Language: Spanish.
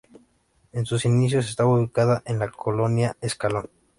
En sus inicios estaba ubicada en la Colonia Escalón.